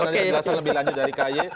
nanti kita jelasin lebih lanjut dari kay